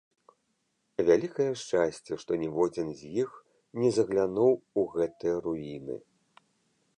Вялікае шчасце, што ніводзін з іх не заглянуў у гэтыя руіны.